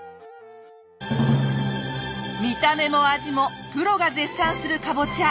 見た目も味もプロが絶賛するカボチャ。